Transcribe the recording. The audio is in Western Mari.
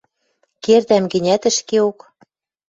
Кердӓм гӹнят, ӹшкеок!